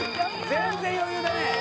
全然余裕だね。